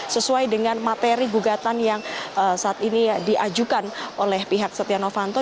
sesuai dengan materi gugatan yang saat ini diajukan oleh pihak setia novanto